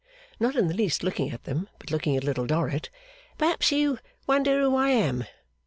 Not in the least looking at them, but looking at Little Dorrit. 'Perhaps you wonder who I am.